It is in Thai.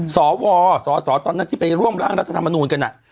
อ๋อศศตอนนั้นที่เป็นร่วมร่างรัฐธรรมนูลกันอะ